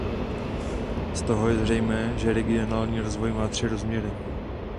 Z toho je zřejmé, že regionální rozvoj má tři rozměry.